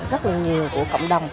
rất là nhiều của cộng đồng